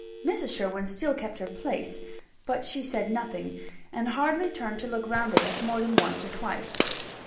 Mrs. Sherwin still kept her place; but she said nothing, and hardly turned to look round at us more than once or twice.